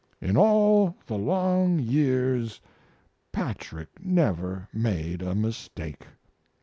In all the long years Patrick never made a mistake.